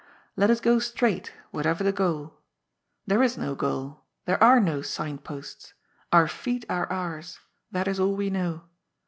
Let us go straight, whatever the goal. There is no goal; there are no sign posts. Oar feet are ours. That is all we know.